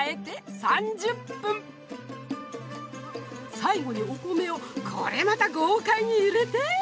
最後にお米をこれまた豪快に入れて。